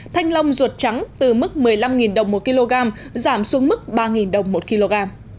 thanh long ruột trắng từ mức một mươi năm đồng một kg giảm xuống mức ba đồng một kg